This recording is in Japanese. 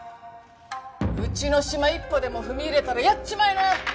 うちのシマ一歩でも踏み入れたらやっちまいな！